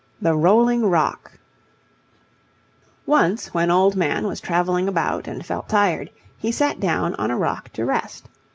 THE ROLLING ROCK Once when Old Man was travelling about and felt tired, he sat down on a rock to rest.